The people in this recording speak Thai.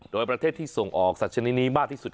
โดยประเทศที่ส่งออกสัตวชนิดนี้มากที่สุด